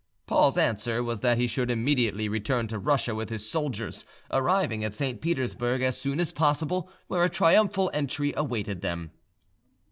Paul's answer was that he should immediately return to Russia with his soldiers, arriving at St. Petersburg as soon as possible, where a triumphal entry awaited them.